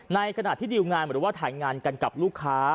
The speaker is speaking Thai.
ในขณะที่ดิวงานหรือว่าถ่ายงานกันกับลูกค้า